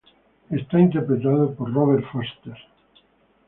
Es interpretado por Robert Forster.